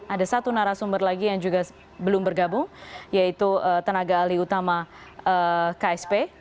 ada satu narasumber lagi yang juga belum bergabung yaitu tenaga alih utama ksp